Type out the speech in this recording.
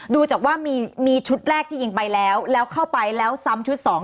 ดูจากว่ามีชุดแรกที่ยิงไปแล้วแล้วเข้าไปแล้วซ้ำชุดสอง